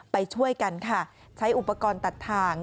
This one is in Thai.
ไปช่วยกันค่ะใช้อุปกรณ์ตัดทาง